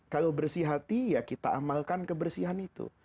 kalau bersih hati ya kita amalkan kebersihan itu